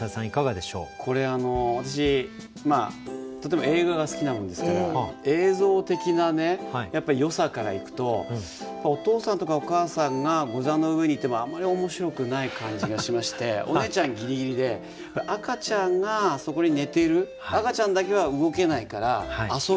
これあの私例えば映画が好きなもんですから映像的なねよさからいくとお父さんとかお母さんが茣蓙の上にいてもあんまり面白くない感じがしましてお姉ちゃんギリギリで赤ちゃんがそこに寝てる赤ちゃんだけは動けないから遊べない。